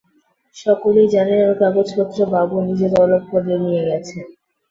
সকলেই জানেন, ওর কাগজপত্র বাবু নিজে তলব করে নিয়ে গেছেন।